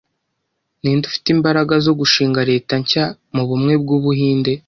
Ninde ufite imbaraga zo gushinga Leta nshya mubumwe bwUbuhinde